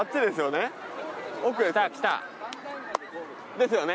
ですよね。